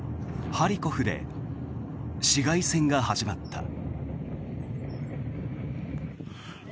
ハリコフで市街戦が始まった。